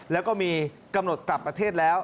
แล้วก็มีกำหนดกลับประเทศแล้ว